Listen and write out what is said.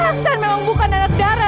aksan memang bukan anak darah